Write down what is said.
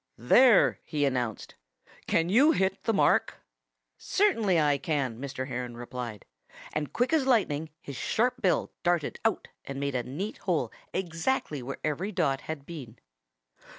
"There!" he announced. "Can you hit the mark?" "Certainly I can," Mr. Heron replied. And quick as lightning his sharp bill darted out and made a neat hole exactly where every dot had been.